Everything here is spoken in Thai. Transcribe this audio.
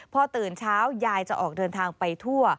พอตื่นเช้ายายจะออกเดินทางไปทั่ว